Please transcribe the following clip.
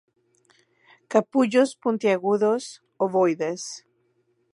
Capullos puntiagudos, ovoides.